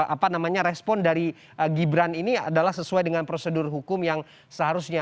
apa namanya respon dari gibran ini adalah sesuai dengan prosedur hukum yang seharusnya